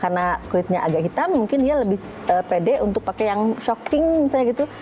karena kulitnya agak hitam mungkin dia lebih pede untuk pakai yang shocking misalnya gitu